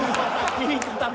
言い方も。